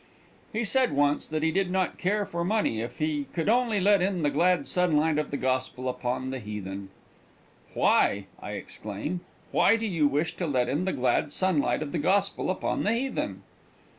He said once that he did not care for money if he only could let in the glad sunlight of the gospel upon the heathen. "Why," I exclaimed, "why do you wish to let in the glad sunlight of the gospel upon the heathen?"